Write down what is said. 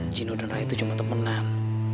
gino dan ray itu cuma temenan